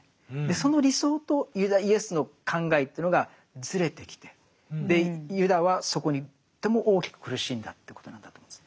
その理想とイエスの考えというのがずれてきてユダはそこにとっても大きく苦しんだということなんだと思うんです。